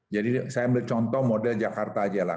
jadi saya melihat contoh model jakarta aja lah